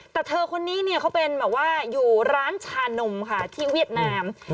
แต่เธอคนนี้เนี่ยเขาเป็นแบบว่าอยู่ร้านชานมค่ะที่เวียดนาม